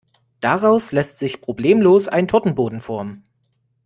Daraus lässt sich problemlos ein Tortenboden formen.